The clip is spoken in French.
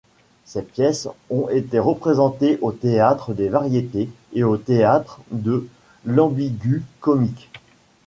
Ses pièces ont été représentées au Théâtre des Variétés et au Théâtre de l'Ambigu-Comique.